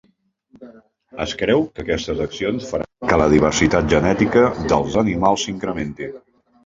Es creu que aquestes accions faran que la diversitat genètica dels animals s'incrementi.